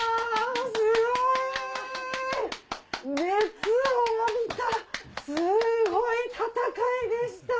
すごい！熱を帯びたすごい戦いでした！